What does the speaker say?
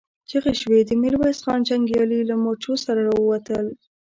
چيغې شوې، د ميرويس خان جنګيالي له مورچو را ووتل.